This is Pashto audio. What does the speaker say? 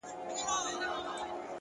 علم د پرمختګ محرک دی’